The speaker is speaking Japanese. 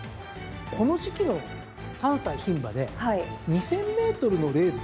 この時期の３歳牝馬で２，０００ｍのレース。